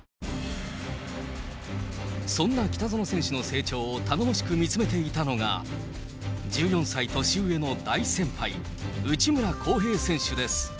そんな北園選手の成長を頼もしく見つめていたのが、１４歳年上の大先輩、内村航平選手です。